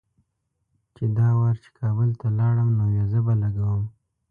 چې دا وار چې کابل ته لاړم نو ویزه به لګوم.